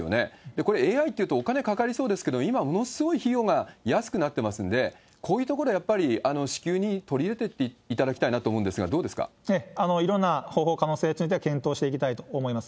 これ、ＡＩというとお金かかりそうですけれども、今ものすごい費用が安くなってますんで、こういうところでやっぱり支給に取り入れていっていただきたいないろんな方法、可能性については検討していきたいと思います。